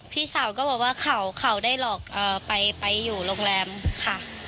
พี่สาวก็บอกว่าเขาได้หลอกไปอยู่โรงแรมค่ะ